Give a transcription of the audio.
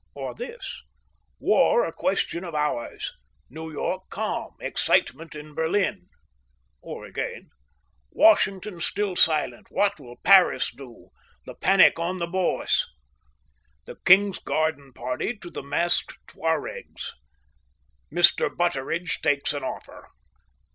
or this: WAR A QUESTION OF HOURS. NEW YORK CALM. EXCITEMENT IN BERLIN. or again: WASHINGTON STILL SILENT. WHAT WILL PARIS DO? THE PANIC ON THE BOURSE. THE KING'S GARDEN PARTY TO THE MASKED TWAREGS. MR. BUTTERIDGE TAKES AN OFFER.